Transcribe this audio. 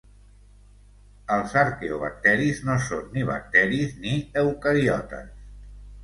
Els arqueobacteris no són ni bacteris ni eucariotes.